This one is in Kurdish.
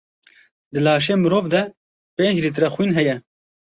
Di laşê mirov de pênc lître xwîn heye.